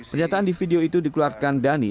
pernyataan di video itu dikeluarkan dhani